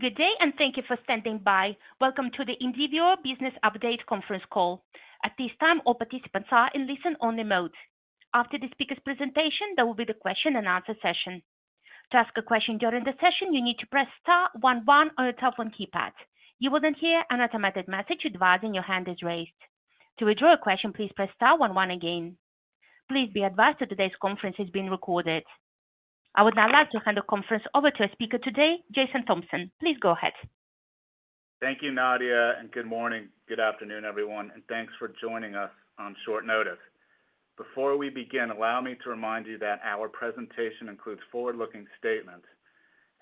Good day, and thank you for standing by. Welcome to the Indivior Business Update Conference Call. At this time, all participants are in listen-only mode. After the speaker's presentation, there will be the question-and-answer session. To ask a question during the session, you need to press star one one on your telephone keypad. You will then hear an automatic message advising your hand is raised. To withdraw a question, please press star one one again. Please be advised that today's conference is being recorded. I would now like to hand the conference over to our speaker today, Jason Thompson. Please go ahead. Thank you, Nadia, and good morning, good afternoon, everyone, and thanks for joining us on short notice. Before we begin, allow me to remind you that our presentation includes forward-looking statements.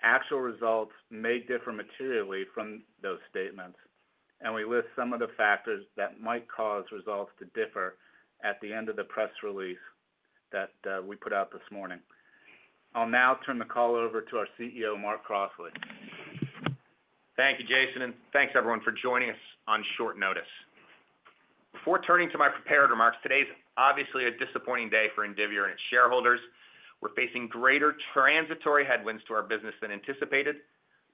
Actual results may differ materially from those statements, and we list some of the factors that might cause results to differ at the end of the press release that we put out this morning. I'll now turn the call over to our CEO, Mark Crossley. Thank you, Jason, and thanks everyone for joining us on short notice. Before turning to my prepared remarks, today's obviously a disappointing day for Indivior and its shareholders. We're facing greater transitory headwinds to our business than anticipated,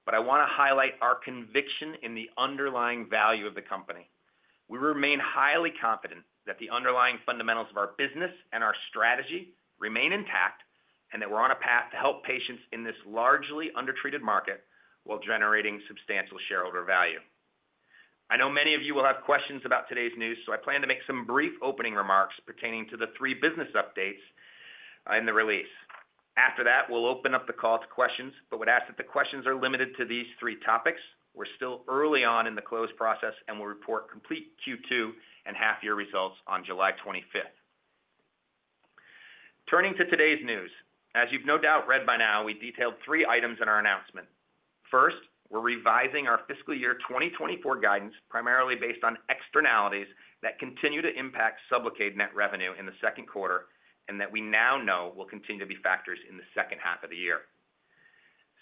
but I wanna highlight our conviction in the underlying value of the company. We remain highly confident that the underlying fundamentals of our business and our strategy remain intact, and that we're on a path to help patients in this largely undertreated market while generating substantial shareholder value. I know many of you will have questions about today's news, so I plan to make some brief opening remarks pertaining to the three business updates, in the release. After that, we'll open up the call to questions, but would ask that the questions are limited to these three topics. We're still early on in the close process, and we'll report complete Q2 and half-year results on July 25th. Turning to today's news, as you've no doubt read by now, we detailed three items in our announcement. First, we're revising our fiscal year 2024 guidance, primarily based on externalities that continue to impact SUBLOCADE net revenue in the second quarter, and that we now know will continue to be factors in the second half of the year.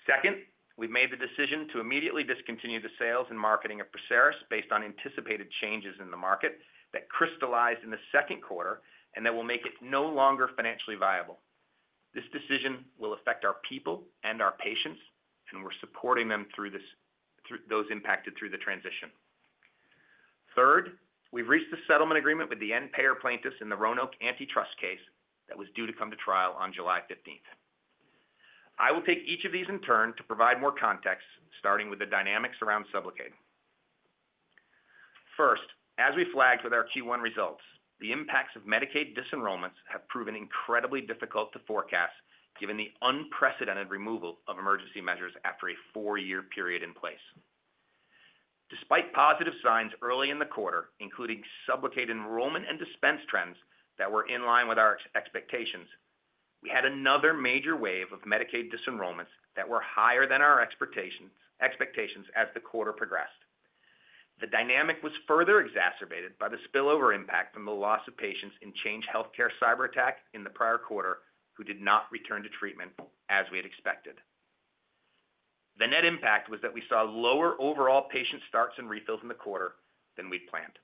Second, we've made the decision to immediately discontinue the sales and marketing of PERSERIS based on anticipated changes in the market that crystallized in the second quarter and that will make it no longer financially viable. This decision will affect our people and our patients, and we're supporting them through this, through those impacted through the transition. Third, we've reached a settlement agreement with the end payer plaintiffs in the Roanoke antitrust case that was due to come to trial on July 15th. I will take each of these in turn to provide more context, starting with the dynamics around SUBLOCADE. First, as we flagged with our Q1 results, the impacts of Medicaid disenrollments have proven incredibly difficult to forecast, given the unprecedented removal of emergency measures after a four-year period in place. Despite positive signs early in the quarter, including SUBLOCADE enrollment and dispense trends that were in line with our expectations, we had another major wave of Medicaid disenrollments that were higher than our expectations as the quarter progressed. The dynamic was further exacerbated by the spillover impact from the loss of patients in Change Healthcare cyberattack in the prior quarter, who did not return to treatment as we had expected. The net impact was that we saw lower overall patient starts and refills in the quarter than we'd planned.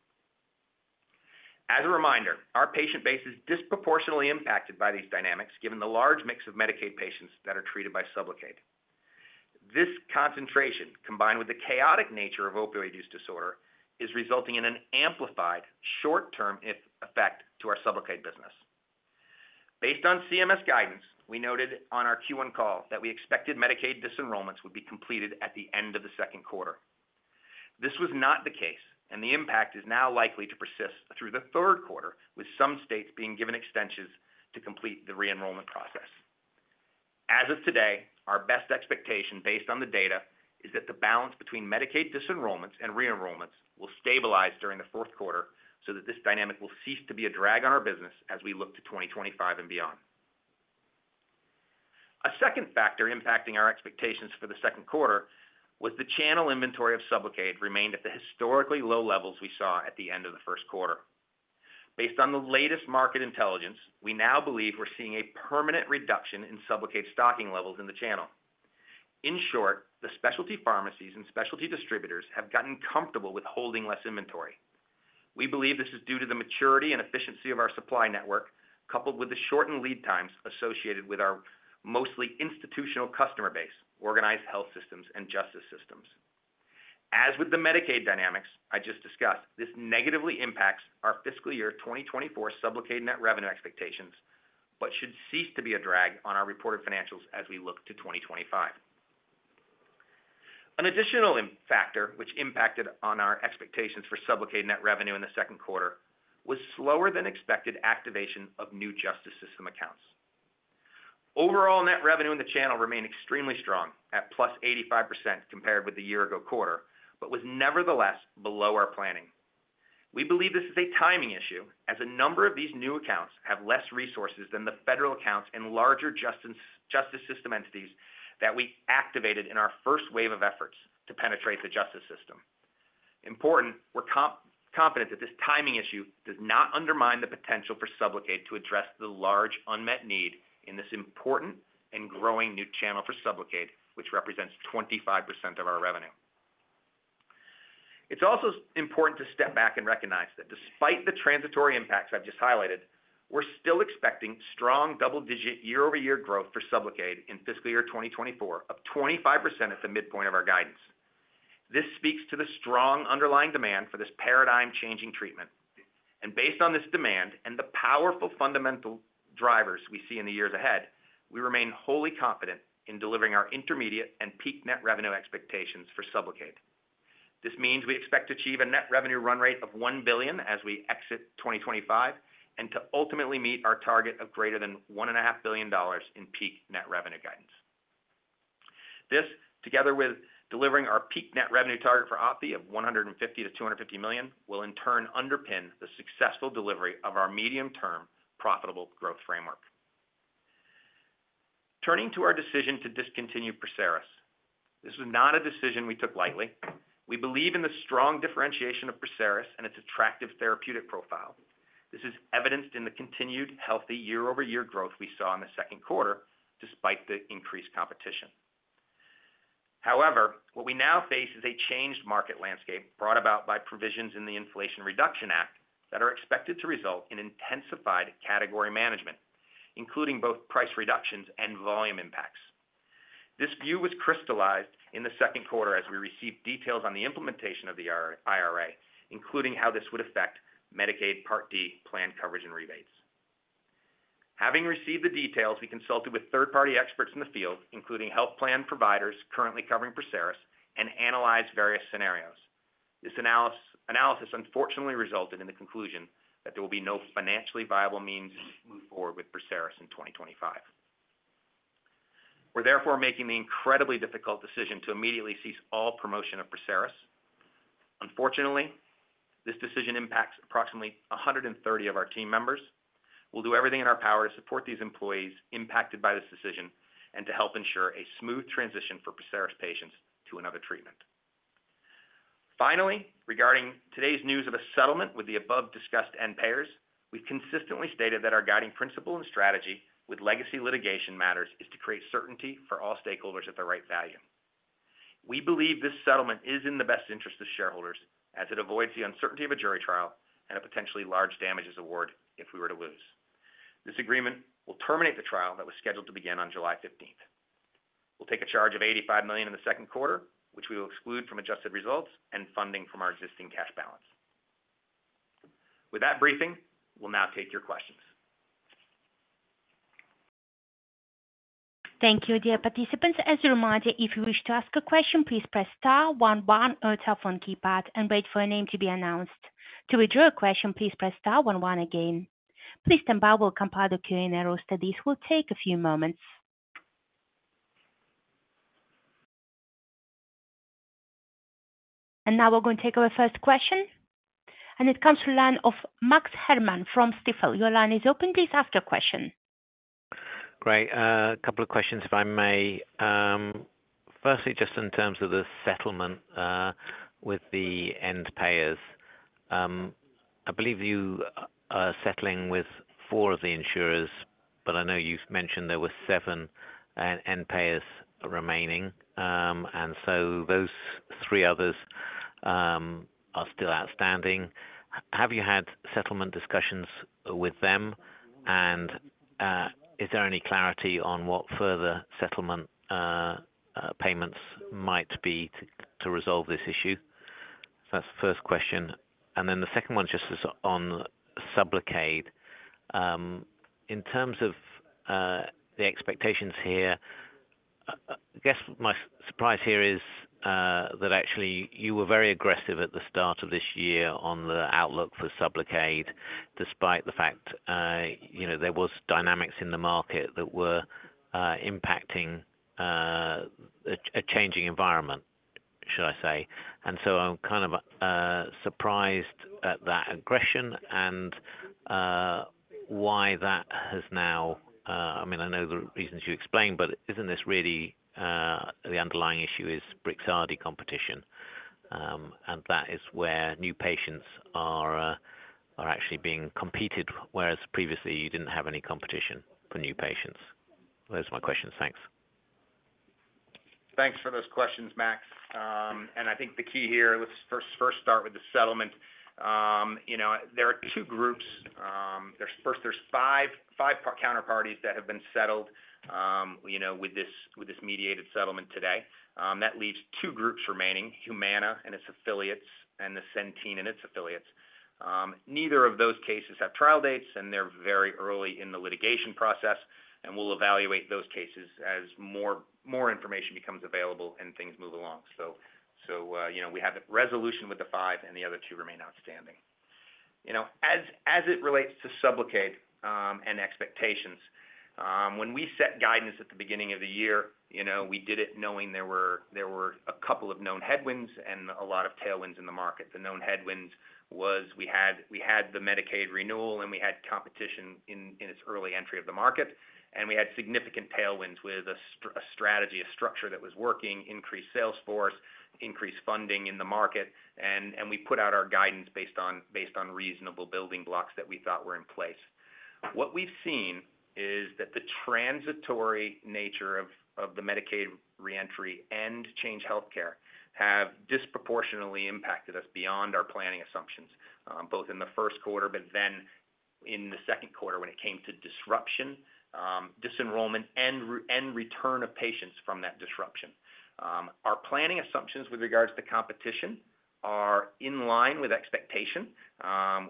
As a reminder, our patient base is disproportionately impacted by these dynamics, given the large mix of Medicaid patients that are treated by SUBLOCADE. This concentration, combined with the chaotic nature of opioid use disorder, is resulting in an amplified short-term ill effect to our SUBLOCADE business. Based on CMS guidance, we noted on our Q1 call that we expected Medicaid disenrollments would be completed at the end of the second quarter. This was not the case, and the impact is now likely to persist through the third quarter, with some states being given extensions to complete the re-enrollment process. As of today, our best expectation, based on the data, is that the balance between Medicaid disenrollments and re-enrollments will stabilize during the fourth quarter so that this dynamic will cease to be a drag on our business as we look to 2025 and beyond. A second factor impacting our expectations for the second quarter was the channel inventory of SUBLOCADE remained at the historically low levels we saw at the end of the first quarter. Based on the latest market intelligence, we now believe we're seeing a permanent reduction in SUBLOCADE stocking levels in the channel. In short, the specialty pharmacies and specialty distributors have gotten comfortable with holding less inventory. We believe this is due to the maturity and efficiency of our supply network, coupled with the shortened lead times associated with our mostly institutional customer base, organized health systems and justice systems. As with the Medicaid dynamics I just discussed, this negatively impacts our fiscal year 2024 SUBLOCADE net revenue expectations, but should cease to be a drag on our reported financials as we look to 2025. An additional impact factor which impacted on our expectations for SUBLOCADE net revenue in the second quarter was slower than expected activation of new justice system accounts. Overall, net revenue in the channel remained extremely strong at +85% compared with the year-ago quarter, but was nevertheless below our planning. We believe this is a timing issue, as a number of these new accounts have less resources than the federal accounts and larger justice system entities that we activated in our first wave of efforts to penetrate the justice system. Importantly, we're confident that this timing issue does not undermine the potential for SUBLOCADE to address the large unmet need in this important and growing new channel for SUBLOCADE, which represents 25% of our revenue. It's also important to step back and recognize that despite the transitory impacts I've just highlighted, we're still expecting strong double-digit year-over-year growth for SUBLOCADE in fiscal year 2024 of 25% at the midpoint of our guidance. This speaks to the strong underlying demand for this paradigm-changing treatment, and based on this demand and the powerful fundamental drivers we see in the years ahead, we remain wholly confident in delivering our intermediate and peak net revenue expectations for SUBLOCADE. This means we expect to achieve a net revenue run rate of $1 billion as we exit 2025, and to ultimately meet our target of greater than $1.5 billion in peak net revenue guidance. This, together with delivering our peak net revenue target for OPVEE of $150 million-$250 million, will in turn underpin the successful delivery of our medium-term profitable growth framework. Turning to our decision to discontinue PERSERIS. This is not a decision we took lightly. We believe in the strong differentiation of PERSERIS and its attractive therapeutic profile. This is evidenced in the continued healthy year-over-year growth we saw in the second quarter, despite the increased competition. However, what we now face is a changed market landscape brought about by provisions in the Inflation Reduction Act that are expected to result in intensified category management, including both price reductions and volume impacts. This view was crystallized in the second quarter as we received details on the implementation of the IRA, including how this would affect Medicare Part D plan coverage and rebates. Having received the details, we consulted with third-party experts in the field, including health plan providers currently covering PERSERIS, and analyzed various scenarios. This analysis unfortunately resulted in the conclusion that there will be no financially viable means to move forward with PERSERIS in 2025. We're therefore making the incredibly difficult decision to immediately cease all promotion of PERSERIS. Unfortunately, this decision impacts approximately 130 of our team members. We'll do everything in our power to support these employees impacted by this decision and to help ensure a smooth transition for PERSERIS patients to another treatment. Finally, regarding today's news of a settlement with the above-discussed end payers, we've consistently stated that our guiding principle and strategy with legacy litigation matters is to create certainty for all stakeholders at the right value. We believe this settlement is in the best interest of shareholders, as it avoids the uncertainty of a jury trial and a potentially large damages award if we were to lose. This agreement will terminate the trial that was scheduled to begin on July 15th. We'll take a charge of $85 million in the second quarter, which we will exclude from adjusted results and fund from our existing cash balance. With that briefing, we'll now take your questions. Thank you, dear participants. As a reminder, if you wish to ask a question, please press star one one on your telephone keypad and wait for your name to be announced. To withdraw your question, please press star one one again. Please stand by while we compile the Q&A roster. This will take a few moments. And now we're going to take our first question, and it comes from the line of Max Herrmann from Stifel. Your line is open. Please ask your question. Great. A couple of questions, if I may. Firstly, just in terms of the settlement, with the end payers, I believe you are settling with four of the insurers, but I know you've mentioned there were seven end payers remaining, and so those three others are still outstanding. Have you had settlement discussions with them? And, is there any clarity on what further settlement payments might be to resolve this issue? That's the first question. And then the second one, just is on SUBLOCADE. In terms of the expectations here, I guess my surprise here is that actually you were very aggressive at the start of this year on the outlook for SUBLOCADE, despite the fact, you know, there was dynamics in the market that were impacting a changing environment, should I say. And so I'm kind of surprised at that aggression and why that has now... I mean, I know the reasons you explained, but isn't this really the underlying issue is BRIXADI competition? And that is where new patients are actually being competed, whereas previously you didn't have any competition for new patients. Those are my questions. Thanks. Thanks for those questions, Max. I think the key here, let's first start with the settlement. You know, there are two groups. There's first, there's five counterparties that have been settled, you know, with this mediated settlement today. That leaves two groups remaining, Humana and its affiliates, and Centene and its affiliates. Neither of those cases have trial dates, and they're very early in the litigation process, and we'll evaluate those cases as more information becomes available and things move along. So, you know, we have a resolution with the five, and the other two remain outstanding. You know, as it relates to SUBLOCADE and expectations, when we set guidance at the beginning of the year, you know, we did it knowing there were a couple of known headwinds and a lot of tailwinds in the market. The known headwinds was we had, we had the Medicaid renewal, and we had competition in its early entry of the market, and we had significant tailwinds with a strategy, a structure that was working, increased sales force, increased funding in the market, and we put out our guidance based on reasonable building blocks that we thought were in place. What we've seen is that the transitory nature of the Medicaid reentry and Change Healthcare have disproportionately impacted us beyond our planning assumptions, both in the first quarter, but then in the second quarter, when it came to disruption, disenrollment and return of patients from that disruption. Our planning assumptions with regards to competition are in line with expectation,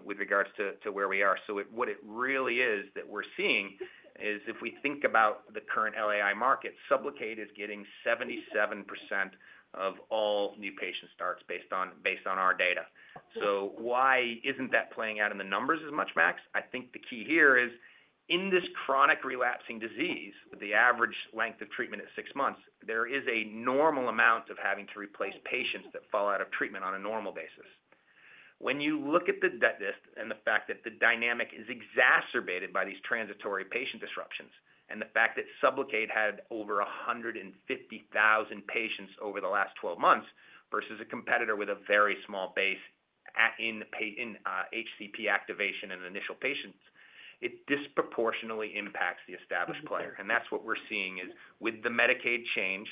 with regards to where we are. So what it really is that we're seeing is if we think about the current LAI market, SUBLOCADE is getting 77% of all new patient starts based on our data. So why isn't that playing out in the numbers as much, Max? I think the key here is, in this chronic relapsing disease, the average length of treatment is six months, there is a normal amount of having to replace patients that fall out of treatment on a normal basis. When you look at the disenrollment and the fact that the dynamic is exacerbated by these transitory patient disruptions, and the fact that SUBLOCADE had over 150,000 patients over the last 12 months, versus a competitor with a very small base at in patient HCP activation and initial patients, it disproportionately impacts the established player. That's what we're seeing is, with the Medicaid change,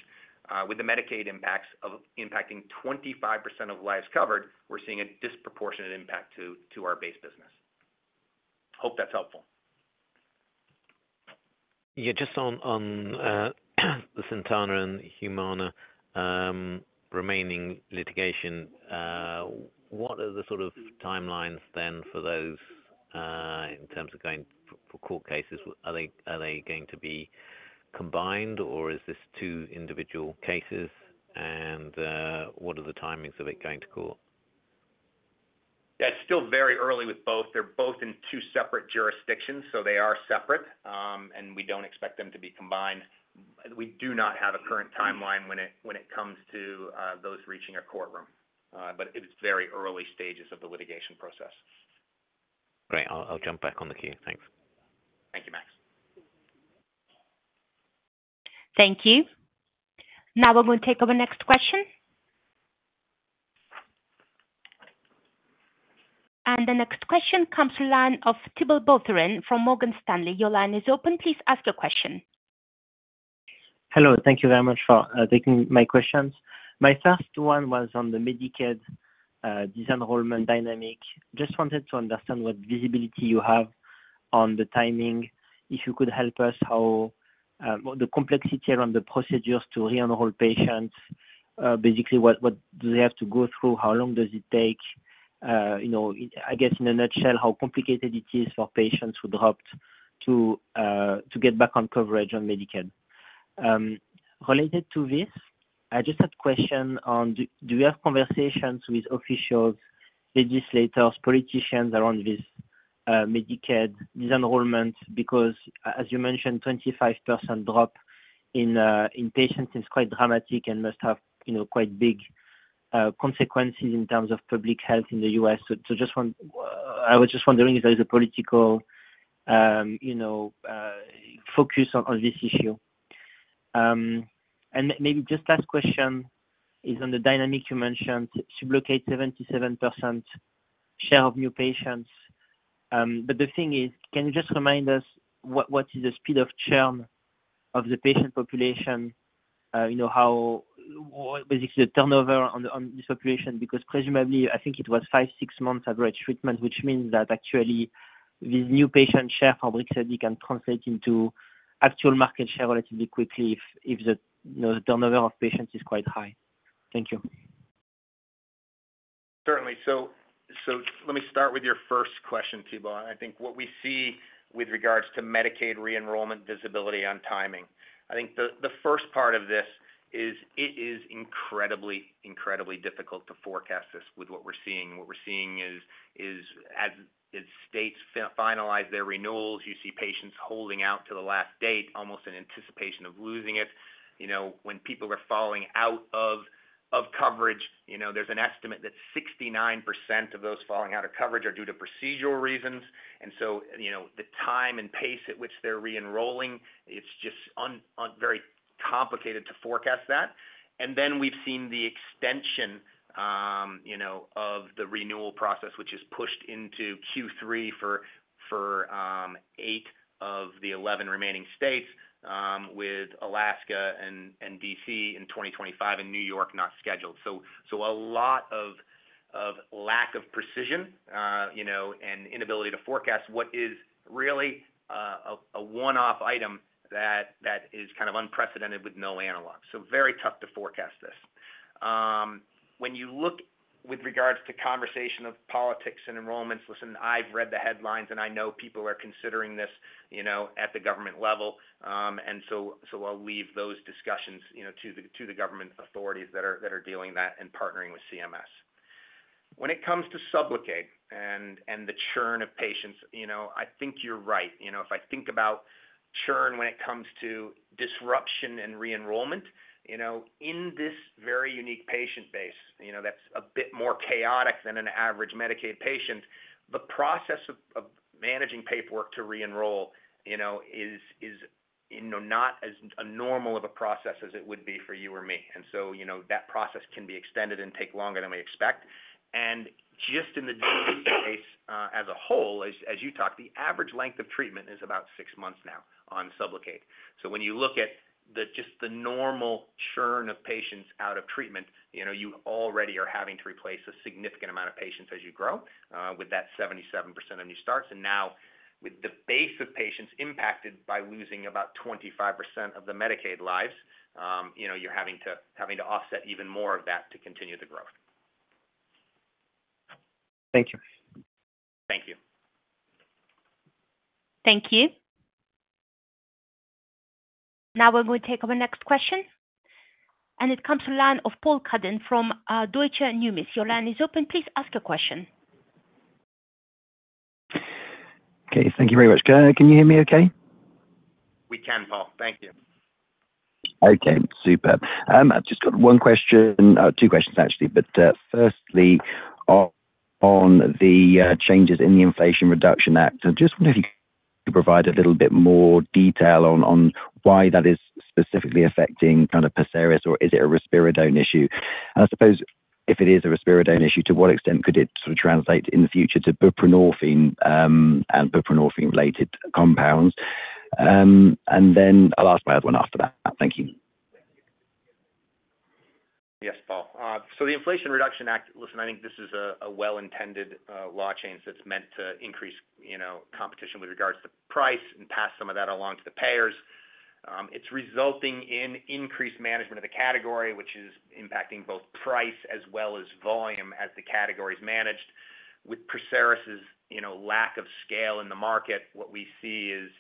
with the Medicaid impacts of impacting 25% of lives covered, we're seeing a disproportionate impact to our base business. Hope that's helpful. Yeah, just on the Centene and Humana remaining litigation, what are the sort of timelines then for those in terms of going for court cases? Are they going to be combined or is this two individual cases? And what are the timings of it going to court? Yeah, it's still very early with both. They're both in two separate jurisdictions, so they are separate, and we don't expect them to be combined. We do not have a current timeline when it comes to those reaching a courtroom, but it's very early stages of the litigation process. Great. I'll jump back on the queue. Thanks. Thank you, Max. Thank you. Now, we're going to take our next question. The next question comes to line of Thibault Boutherin from Morgan Stanley. Your line is open. Please ask your question. Hello. Thank you very much for taking my questions. My first one was on the Medicaid disenrollment dynamic. Just wanted to understand what visibility you have on the timing. If you could help us, how the complexity around the procedures to re-enroll patients, basically, what do they have to go through? How long does it take? You know, I guess, in a nutshell, how complicated it is for patients who dropped to get back on coverage on Medicaid. Related to this, I just had a question on do you have conversations with officials, legislators, politicians around this Medicaid disenrollment? Because as you mentioned, 25 person drop in patients is quite dramatic and must have, you know, quite big consequences in terms of public health in the U.S. I was just wondering if there is a political focus on this issue. Maybe just last question is on the dynamic you mentioned, SUBLOCADE 77% share of new patients. But the thing is, can you just remind us what is the speed of churn of the patient population? How, what basically the turnover on this population, because presumably, I think it was five, six months average treatment, which means that actually the new patient share for BRIXADI can translate into actual market share relatively quickly if the turnover of patients is quite high. Thank you. Certainly. So let me start with your first question, Thibault. I think what we see with regards to Medicaid re-enrollment, visibility on timing, I think the first part of this is, it is incredibly, incredibly difficult to forecast this with what we're seeing. What we're seeing is as the states finalize their renewals, you see patients holding out to the last date, almost in anticipation of losing it. You know, when people are falling out of coverage, you know, there's an estimate that 69% of those falling out of coverage are due to procedural reasons. And so, you know, the time and pace at which they're re-enrolling, it's just very complicated to forecast that. And then we've seen the extension, you know, of the renewal process, which is pushed into Q3 for eight of the eleven remaining states, with Alaska and D.C. in 2025 and New York not scheduled. So a lot of lack of precision, you know, and inability to forecast what is really a one-off item that is kind of unprecedented with no analog. So very tough to forecast this. When you look with regards to conversation of politics and enrollments, listen, I've read the headlines, and I know people are considering this, you know, at the government level. And so I'll leave those discussions, you know, to the government authorities that are dealing that and partnering with CMS. When it comes to SUBLOCADE and the churn of patients, you know, I think you're right. You know, if I think about churn when it comes to disruption and re-enrollment, you know, in this very unique patient base, you know, that's a bit more chaotic than an average Medicaid patient, the process of managing paperwork to re-enroll, you know, is not as normal a process as it would be for you or me. And so, you know, that process can be extended and take longer than we expect. And just in the disease base as a whole, as you talked, the average length of treatment is about six months now on SUBLOCADE. So when you look at the just the normal churn of patients out of treatment, you know, you already are having to replace a significant amount of patients as you grow with that 77% of new starts. And now with the base of patients impacted by losing about 25% of the Medicaid lives, you know, you're having to, having to offset even more of that to continue the growth. Thank you. Thank you. Thank you. Now we're going to take our next question, and it comes to the line of Paul Cuddon from Deutsche Numis. Your line is open. Please ask your question. Okay. Thank you very much. Can you hear me okay? We can, Paul. Thank you. Okay, super. I've just got one question, two questions, actually. Firstly, on the changes in the Inflation Reduction Act, I just wonder if you could provide a little bit more detail on why that is specifically affecting kind of PERSERIS, or is it a risperidone issue? And I suppose if it is a risperidone issue, to what extent could it sort of translate in the future to buprenorphine and buprenorphine-related compounds? And then I'll ask my other one after that. Thank you. Yes, Paul. So the Inflation Reduction Act, listen, I think this is a well-intended law change that's meant to increase, you know, competition with regards to price and pass some of that along to the payers. It's resulting in increased management of the category, which is impacting both price as well as volume, as the category is managed. With PERSERIS's, you know, lack of scale in the market, what we see is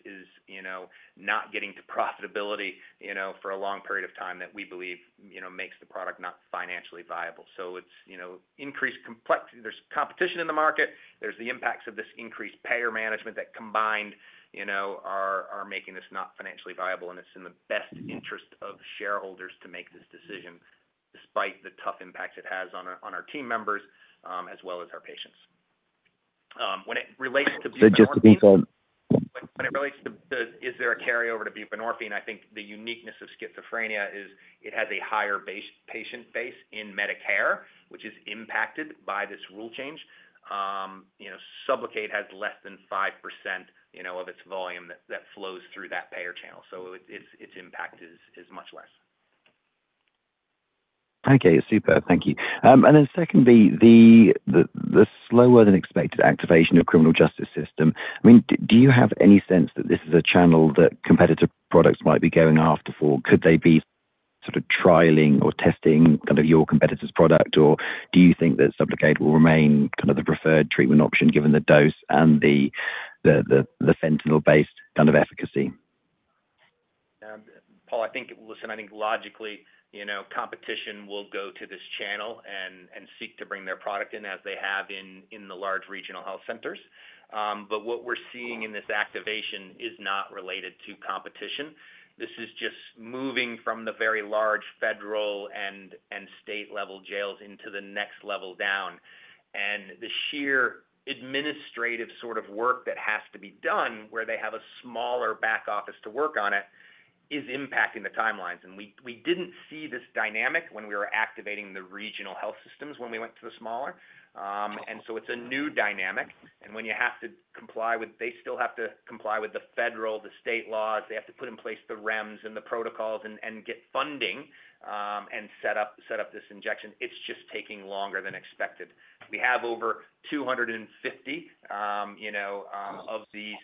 not getting to profitability, you know, for a long period of time that we believe, you know, makes the product not financially viable. So it's, you know, increased—there's competition in the market, there's the impacts of this increased payer management that combined, you know, are making this not financially viable. It's in the best interest of shareholders to make this decision, despite the tough impacts it has on our team members, as well as our patients. When it relates to buprenorphine- So just to be clear- When it relates to the, is there a carryover to buprenorphine? I think the uniqueness of schizophrenia is it has a higher base patient base in Medicare, which is impacted by this rule change. You know, SUBLOCADE has less than 5%, you know, of its volume that flows through that payer channel, so its impact is much less. Okay, super. Thank you. And then secondly, the slower than expected activation of criminal justice system, I mean, do you have any sense that this is a channel that competitive products might be going after for? Could they be sort of trialing or testing kind of your competitor's product, or do you think that SUBLOCADE will remain kind of the preferred treatment option, given the dose and the fentanyl-based kind of efficacy? Paul, I think, listen, I think logically, you know, competition will go to this channel and seek to bring their product in as they have in the large regional health centers. But what we're seeing in this activation is not related to competition. This is just moving from the very large federal and state-level jails into the next level down. And the sheer administrative sort of work that has to be done, where they have a smaller back office to work on it, is impacting the timelines. And we didn't see this dynamic when we were activating the regional health systems when we went to the smaller. And so it's a new dynamic, and when you have to comply with... They still have to comply with the federal, state laws. They have to put in place the REMS and the protocols and get funding, and set up this injection. It's just taking longer than expected. We have over 250, you know, of these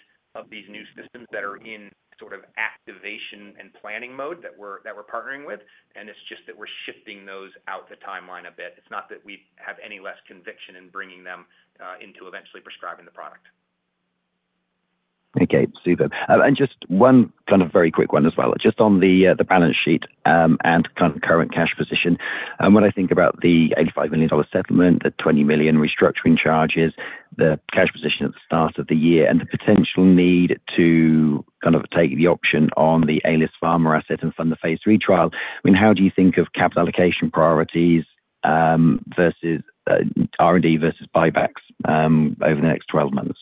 new systems that are in sort of activation and planning mode that we're partnering with, and it's just that we're shifting those out the timeline a bit. It's not that we have any less conviction in bringing them into eventually prescribing the product. Okay, super. And just one kind of very quick one as well, just on the balance sheet, and current cash position. When I think about the $85 million settlement, the $20 million restructuring charges, the cash position at the start of the year, and the potential need to kind of take the option on the Aelis Farma asset and fund the phase III trial, I mean, how do you think of capital allocation priorities, versus R&D versus buybacks, over the next 12 months?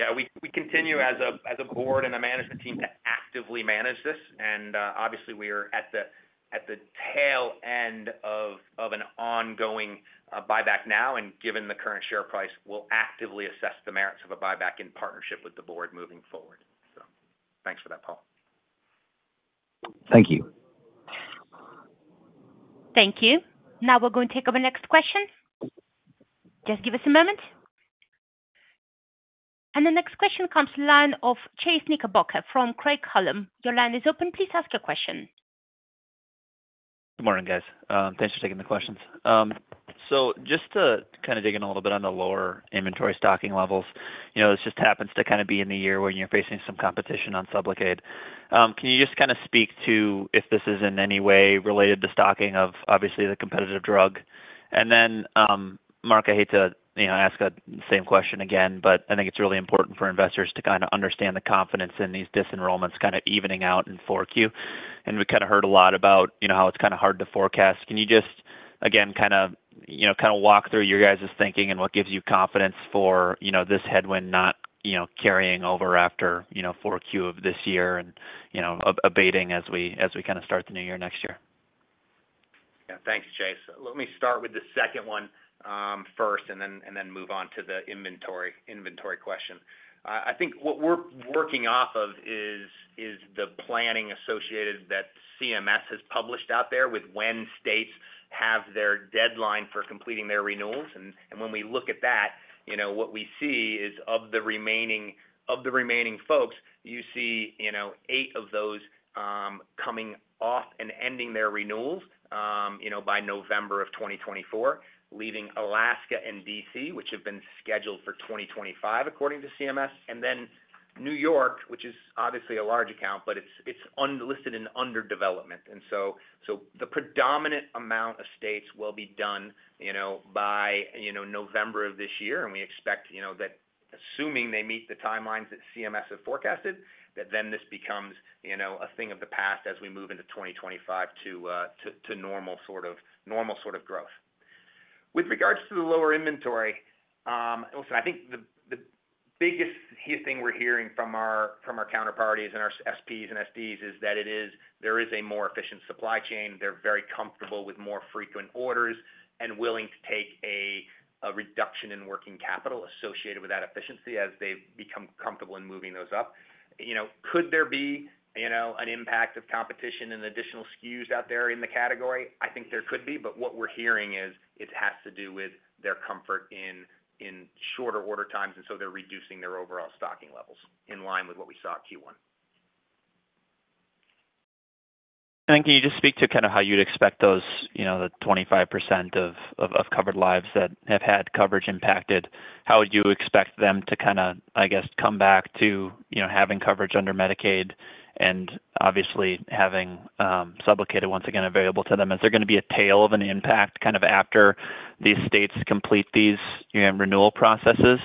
Yeah, we continue as a board and a management team to actively manage this. And obviously, we are at the tail end of an ongoing buyback now, and given the current share price, we'll actively assess the merits of a buyback in partnership with the board moving forward. So thanks for that, Paul. Thank you. Thank you. Now we're going to take our next question. Just give us a moment. And the next question comes from the line of Chase Knickerbocker from Craig-Hallum. Your line is open. Please ask your question. Good morning, guys. Thanks for taking the questions. So just to kind of dig in a little bit on the lower inventory stocking levels, you know, this just happens to kind of be in the year where you're facing some competition on SUBLOCADE. Can you just kind of speak to if this is in any way related to stocking of, obviously, the competitive drug? And then, Mark, I hate to, you know, ask the same question again, but I think it's really important for investors to kind of understand the confidence in these disenrollments kind of evening out in Q4, and we kind of heard a lot about, you know, how it's kind of hard to forecast. Can you just, again, kind of, you know, kind of walk through your guys' thinking and what gives you confidence for, you know, this headwind not, you know, carrying over after, you know, Q3 of this year and, you know, abating as we kind of start the new year next year? Yeah. Thank you, Chase. Let me start with the second one, first, and then move on to the inventory question. I think what we're working off of is the planning associated that CMS has published out there with when states have their deadline for completing their renewals. And when we look at that, you know, what we see is of the remaining folks, you see, you know, eight of those coming off and ending their renewals, you know, by November 2024, leaving Alaska and D.C., which have been scheduled for 2025, according to CMS, and then New York, which is obviously a large account, but it's unlisted under development. And so, the predominant amount of states will be done, you know, by, you know, November of this year, and we expect, you know, that assuming they meet the timelines that CMS has forecasted, that then this becomes, you know, a thing of the past as we move into 2025 to normal sort of, normal sort of growth. With regards to the lower inventory, listen, I think the biggest thing we're hearing from our counterparties and our SPs and SDs is that there is a more efficient supply chain. They're very comfortable with more frequent orders and willing to take a reduction in working capital associated with that efficiency as they become comfortable in moving those up. You know, could there be, you know, an impact of competition and additional SKUs out there in the category? I think there could be, but what we're hearing is, it has to do with their comfort in shorter order times, and so they're reducing their overall stocking levels in line with what we saw at Q1. Can you just speak to kind of how you'd expect those, you know, the 25% of covered lives that have had coverage impacted, how would you expect them to kind of, I guess, come back to, you know, having coverage under Medicaid and obviously having SUBLOCADE once again available to them? Is there going to be a tail of an impact, kind of after these states complete these renewal processes?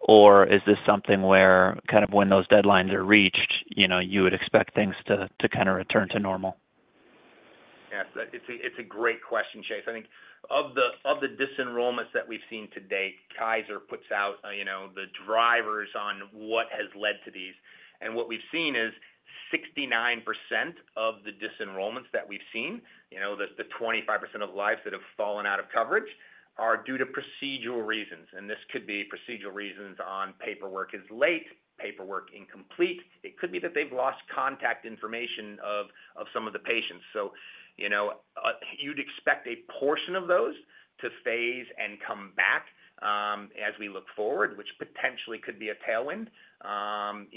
Or is this something where kind of when those deadlines are reached, you know, you would expect things to kind of return to normal? Yes, it's a great question, Chase. I think of the disenrollments that we've seen to date, Kaiser puts out, you know, the drivers on what has led to these. And what we've seen is 69% of the disenrollments that we've seen, you know, the 25% of lives that have fallen out of coverage, are due to procedural reasons, and this could be procedural reasons on paperwork is late, paperwork incomplete. It could be that they've lost contact information of some of the patients. So, you know, you'd expect a portion of those to phase and come back,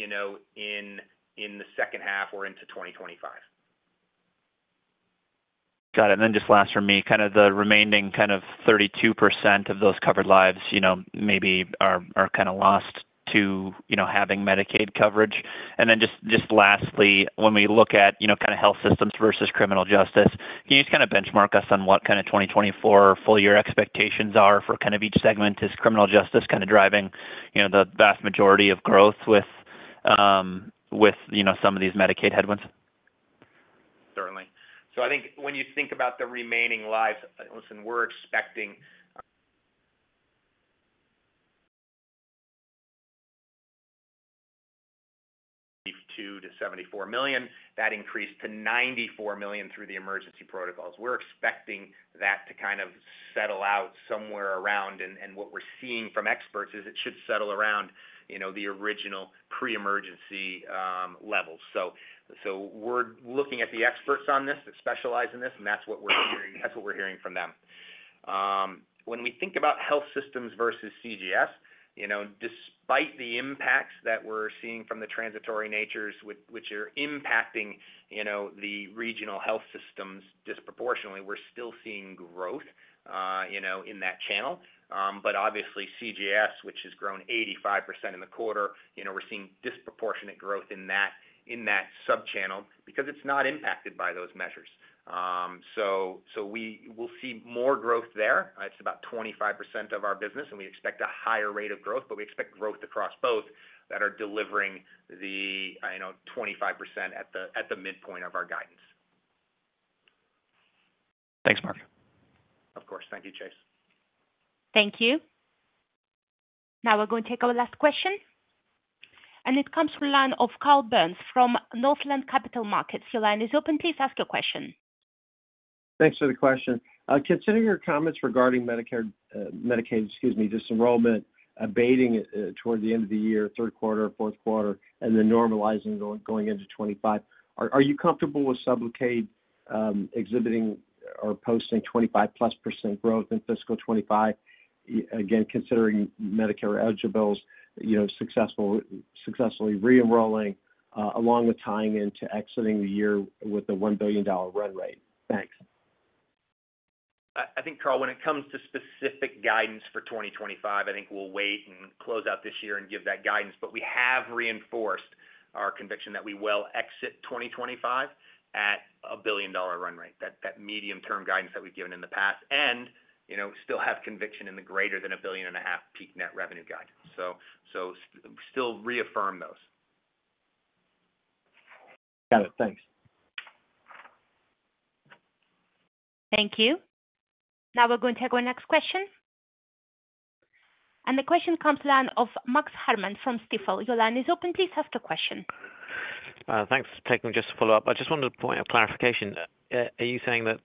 you know, in the second half or into 2025. Got it. And then just last for me, kind of the remaining kind of 32% of those covered lives, you know, maybe are kind of lost to, you know, having Medicaid coverage. And then just lastly, when we look at, you know, kind of health systems versus criminal justice, can you just kind of benchmark us on what kind of 2024 full year expectations are for kind of each segment? Is criminal justice kind of driving, you know, the vast majority of growth with, with, you know, some of these Medicaid headwinds? Certainly. So I think when you think about the remaining lives, listen, we're expecting to 74 million. That increased to 94 million through the emergency protocols. We're expecting that to kind of settle out somewhere around, and what we're seeing from experts is it should settle around, you know, the original pre-emergency levels. So we're looking at the experts on this, that specialize in this, and that's what we're hearing- that's what we're hearing from them. When we think about health systems versus CJS, you know, despite the impacts that we're seeing from the transitory natures, which are impacting, you know, the regional health systems disproportionately, we're still seeing growth in that channel. But obviously, CJS, which has grown 85% in the quarter, you know, we're seeing disproportionate growth in that, in that sub-channel because it's not impacted by those measures. So, so we will see more growth there. It's about 25% of our business, and we expect a higher rate of growth, but we expect growth across both that are delivering the, you know, 25% at the, at the midpoint of our guidance. Thanks, Mark. Of course. Thank you, Chase. Thank you. Now we're going to take our last question, and it comes from the line of Carl Byrnes from Northland Capital Markets. Your line is open. Please ask your question. Thanks for the question. Considering your comments regarding Medicare, Medicaid, excuse me, disenrollment abating toward the end of the year, third quarter, fourth quarter, and then normalizing going into 2025, are you comfortable with SUBLOCADE exhibiting or posting 25%+ growth in fiscal 2025, again, considering Medicare eligibles, you know, successfully re-enrolling, along with tying into exiting the year with a $1 billion run rate? Thanks. I think, Carl, when it comes to specific guidance for 2025, I think we'll wait and close out this year and give that guidance. But we have reinforced our conviction that we will exit 2025 at a billion-dollar run rate. That medium-term guidance that we've given in the past and, you know, still have conviction in the greater than $1.5 billion peak net revenue guidance. So still reaffirm those. Got it. Thanks. Thank you. Now we're going to take our next question. The question comes to the line of Max Herrmann from Stifel. Your line is open. Please ask the question. Thanks for taking just a follow-up. I just wanted a point of clarification. Are you saying that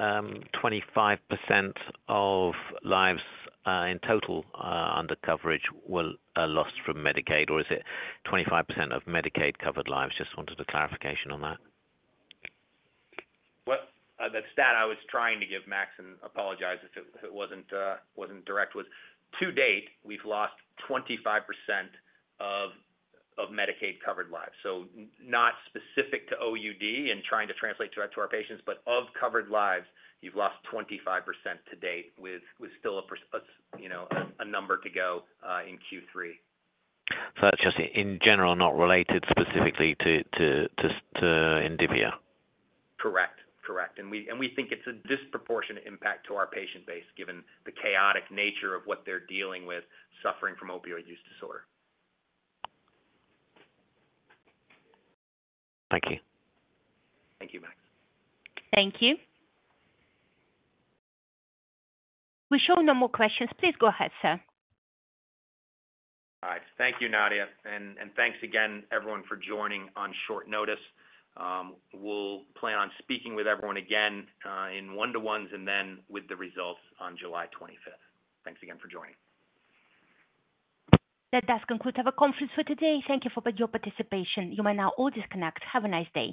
25% of lives in total under coverage were lost from Medicaid, or is it 25% of Medicaid-covered lives? Just wanted a clarification on that. Well, the stat I was trying to give, Max, and apologize if it wasn't direct, was to date, we've lost 25% of, of Medicaid-covered lives. So not specific to OUD and trying to translate that to our patients, but of covered lives, we've lost 25% to date, with still a percentage, you know, a number to go in Q3. So that's just in general, not related specifically to Indivior? Correct. Correct. And we think it's a disproportionate impact to our patient base, given the chaotic nature of what they're dealing with, suffering from opioid use disorder. Thank you. Thank you, Max. Thank you. We show no more questions. Please go ahead, sir. All right. Thank you, Nadia, and, and thanks again everyone for joining on short notice. We'll plan on speaking with everyone again, in one-to-ones and then with the results on July 25th. Thanks again for joining. That does conclude our conference for today. Thank you for your participation. You may now all disconnect. Have a nice day.